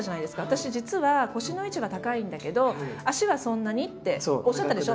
「私実は腰の位置は高いんだけど脚はそんなに」っておっしゃったでしょ。